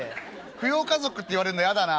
扶養家族って言われんの嫌だな」。